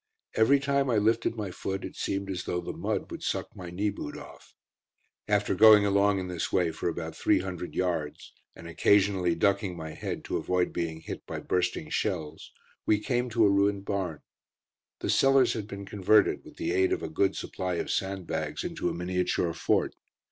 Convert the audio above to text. Every time I lifted my foot it seemed as though the mud would suck my knee boot off. After going along in this way for about three hundred yards, and occasionally ducking my head to avoid being hit by bursting shells, we came to a ruined barn. The cellars had been converted, with the aid of a good supply of sandbags, into a miniature fort.